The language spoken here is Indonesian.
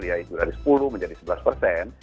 ya itu dari sepuluh menjadi sebelas persen